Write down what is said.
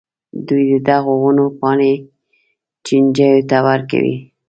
دوی د دغو ونو پاڼې چینجیو ته ورکوي.